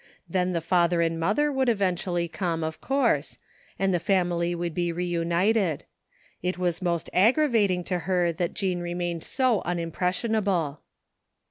Then the father and mother would eventually come, of course, and the family would be reunited. It was most aggrar vating to/ her that Jean remained so imimpressionable.